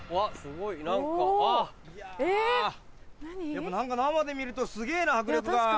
やっぱ生で見るとすげぇな迫力が。